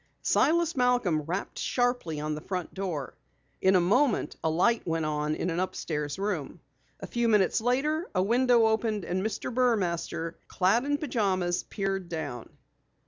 Silas Malcom rapped sharply on the front door. In a moment a light went on in an upstairs room. A few minutes later a window opened and Mr. Burmaster, clad in pajamas, peered down.